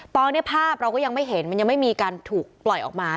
ตอนนี้ภาพเราก็ยังไม่เห็นมันยังไม่มีการถูกปล่อยออกมา